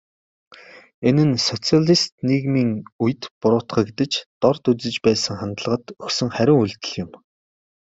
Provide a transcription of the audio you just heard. Энэ нь социалист нийгмийн үед буруутгаж, дорд үзэж байсан хандлагад өгсөн хариу үйлдэл юм.